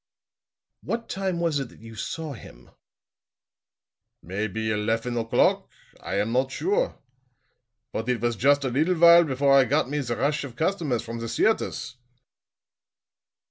"What time was it that you saw him?" "Maybe elefen o'clock. I am not sure. But it was just a little while before I got me the rush of customers from the theaters."